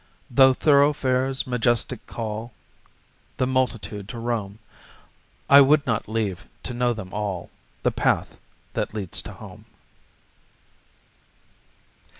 Though thoroughfares majestic call The multitude to roam, I would not leave, to know them all, The path that leads to home.